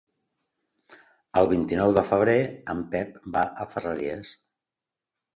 El vint-i-nou de febrer en Pep va a Ferreries.